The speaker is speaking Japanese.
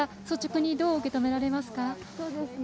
率直にどう受け止められますか？